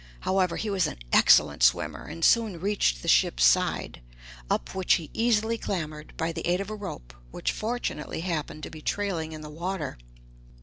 However, he was an excellent swimmer, and soon reached the ship's side, up which he easily clambered by the aid of a rope which fortunately happened to be trailing in the water.